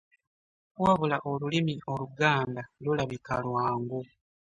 Wabula olulimi oluganda lulabika lwangu.